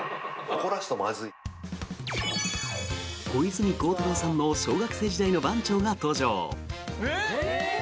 小泉孝太郎さんの小学生時代の番長が登場。